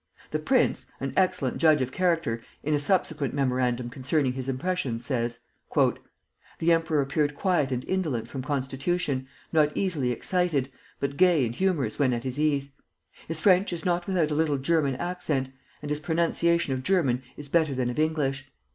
The prince, an excellent judge of character, in a subsequent memorandum concerning his impressions, says, "The emperor appeared quiet and indolent from constitution, not easily excited, but gay and humorous when at his ease. His French is not without a little German accent, and his pronunciation of German is better than of English....